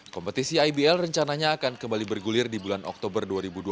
kompetisi ibl rencananya akan kembali bergulir di bulan oktober dua ribu dua puluh